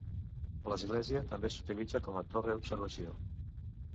L'església també s'utilitza com a torre d'observació.